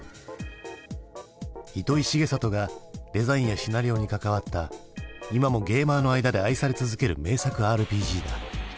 糸井重里がデザインやシナリオに関わった今もゲーマーの間で愛され続ける名作ＲＰＧだ。